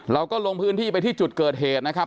เราก็ลงพื้นที่ไปที่จุดเกิดเหตุนะครับ